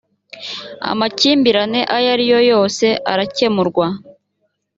amakimbirane ayo ari yo yose arakkemurwa